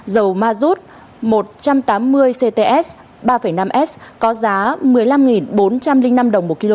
dầu mazut một trăm tám mươi cts ba năm s có giá một mươi năm bốn trăm linh năm đồng một kg giảm một trăm một mươi bảy đồng một lít